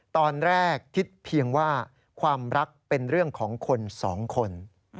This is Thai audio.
ตอนแรกคิดเพียงว่าความรักเป็นเรื่องของคนสองคน